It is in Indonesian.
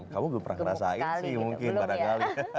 kamu belum pernah ngerasain sih mungkin barangkali